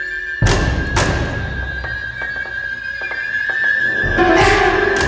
lu naksi sama dia ya